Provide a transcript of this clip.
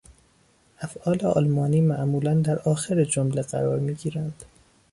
افعال آلمانی معمولا در آخر جمله قرار میگیرند.